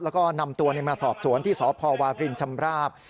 แล้วก็นำเจ้าในมาสอบศวรที่พวชำราบ